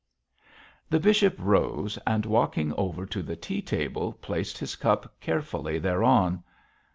The bishop rose, and walking over to the tea table placed his cup carefully thereon.